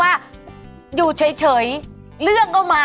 สวัสดีครับ